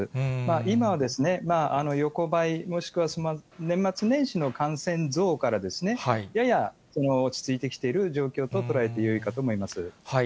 今は横ばい、もしくは年末年始の感染増から、やや落ち着いてきている状況と捉えてよいかと思います。